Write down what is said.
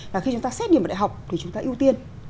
là khi chúng ta xét điểm ở đại học thì chúng ta ưu tiên